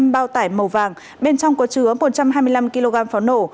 năm bao tải màu vàng bên trong có chứa một trăm hai mươi năm kg pháo nổ